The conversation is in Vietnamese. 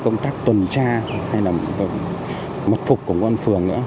công tác tuần tra hay là mật phục của công an phường nữa